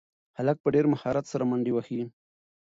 هلک په ډېر مهارت سره منډې وهي.